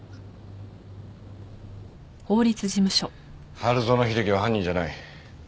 春薗秀紀は犯人じゃない。